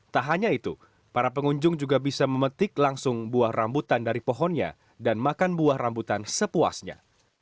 tak hanya itu para pengunjung juga bisa memetik langsung buah rambutan dari pohonnya dan makan buah rambutan sepuasnya